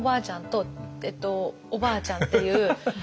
ちゃんとおばあちゃんっていう。